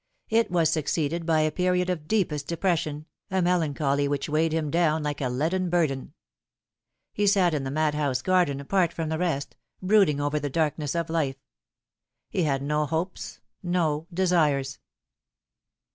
It was succeeded by a period of deepest depression, a melancholy which weighed him down like a leaden burden. He sat in the madhouse garden apart from the rest, brooding over the darkness of life. He had no hopes, no desires.